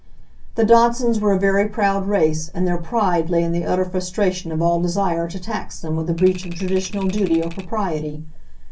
The Dodsons were a very proud race, and their pride lay in the utter frustration of all desire to tax them with a breach of traditional duty or propriety.